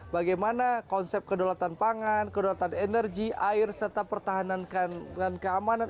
bagaimana konsep kedaulatan pangan kedaulatan energi air serta pertahanan dan keamanan